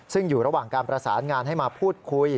ซึ่งอยู่ระหว่างการประสานงานให้มาพูดคุย